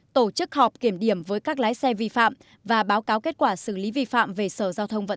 tổ chức họp kiểm điểm với các lái xe vi phạm và báo cáo kết quả xử lý vi phạm về sở giao thông vận